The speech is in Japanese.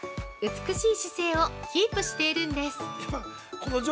美しい姿勢をキープしているんです。